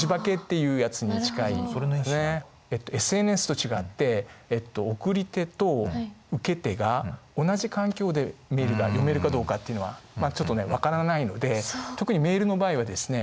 ＳＮＳと違って送り手と受け手が同じ環境でメールが読めるかどうかっていうのはまあちょっとね分からないので特にメールの場合はですね